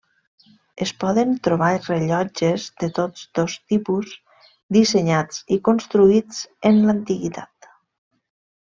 Es poden trobar rellotges de tots dos tipus dissenyats i construïts en l'antiguitat.